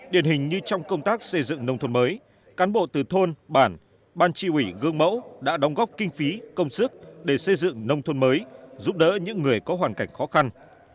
điển hình như trong công tác xây dựng nông thôn mới cán bộ từ thôn bản ban trị ủy gương mẫu đã đóng góp kinh phí công sức để xây dựng nông thôn mới giúp đỡ những người có hoàn cảnh khó khăn